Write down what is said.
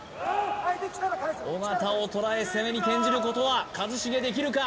尾形を捉え攻めに転じることは一茂できるか？